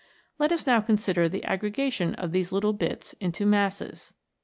Let us now consider the aggregation of these little bits into masses.